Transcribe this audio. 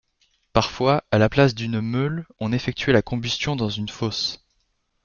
Parfois, à la place d'une meule on effectuait la combustion dans une fosse.